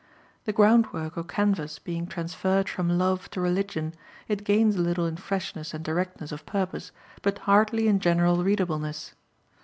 The groundwork or canvas being transferred from love to religion, it gains a little in freshness and directness of purpose, but hardly in general readableness.